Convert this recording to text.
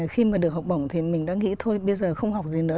khi mà được học bổng thì mình đã nghĩ thôi bây giờ không học gì nữa